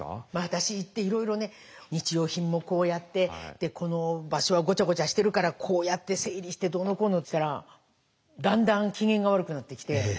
私行っていろいろ日用品もこうやってこの場所はごちゃごちゃしてるからこうやって整理してどうのこうのつったらだんだん機嫌が悪くなってきて。